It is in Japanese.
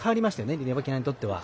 リバキナにとっては。